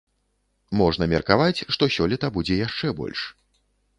Можна меркаваць, што сёлета будзе яшчэ больш.